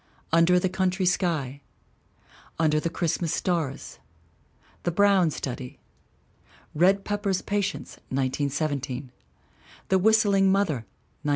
Under the Country Sky. Under the Christmas Stars. The Brown Study. Red Pepper's Patients, 1917. The Whistling Mother, 1917.